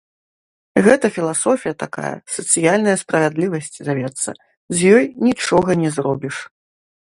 Гэта філасофія такая, сацыяльная справядлівасць завецца, з ёй нічога не зробіш.